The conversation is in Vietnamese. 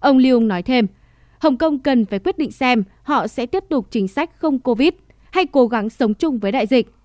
ông lưu nói thêm hồng kông cần phải quyết định xem họ sẽ tiếp tục chính sách không covid hay cố gắng sống chung với đại dịch